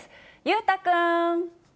裕太君。